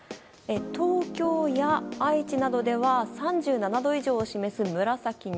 東京や愛知などでは３７度以上を示す紫に。